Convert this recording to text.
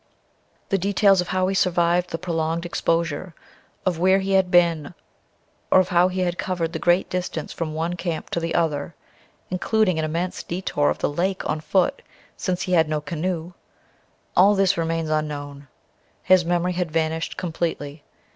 The details of how he survived the prolonged exposure, of where he had been, or of how he covered the great distance from one camp to the other, including an immense detour of the lake on foot since he had no canoe all this remains unknown. His memory had vanished completely.